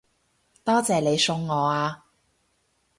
多謝你送我啊